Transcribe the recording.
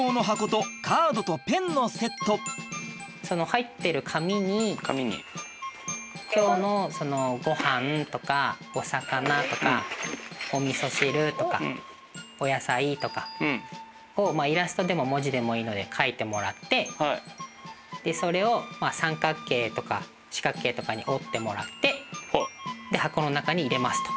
入っていたのは今日のそのごはんとかお魚とかおみそ汁とかお野菜とかをイラストでも文字でもいいので書いてもらってそれを三角形とか四角形とかに折ってもらって箱の中に入れますと。